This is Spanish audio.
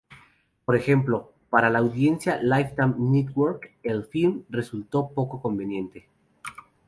Por ejemplo, para la audiencia de Lifetime Network el film resultó poco convincente.